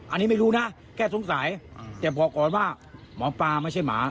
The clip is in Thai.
อันนี้ไม่รู้นะแค่สงสัยแต่บอกก่อนว่าหมอปลาไม่ใช่หมา